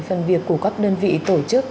phần việc của các đơn vị tổ chức